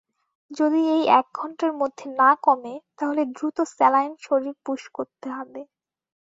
যদি এই এক ঘন্টার মধ্যে না কমে, তাহলে দ্রুত স্যালাইন শরীর পুস করতে হবে।